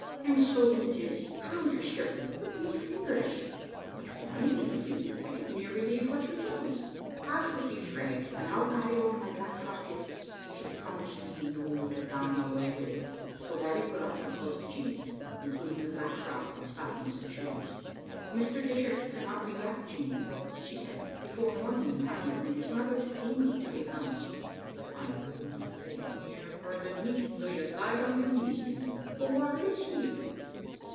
" "And soaking it is. How you're shivering — what neat fingers — what bonny little feet. I could near be lieve what you tell me. Aff wi' these rags, an I'll gie you on my black frock, if — if you promise me no to gang awa wi't." So Babbie put on some clothes of Jean's, including the black frock, and stockings and shoes. " Mr. Dishart cannot be back, Jean," she said, "before morning, and I don't want his mother to see me till he comes." "I wouldna let you near her the nicht though you gaed on your knees to me. But whaur is he?"